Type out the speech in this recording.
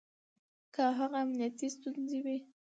که هغه امنيتي ستونزې وي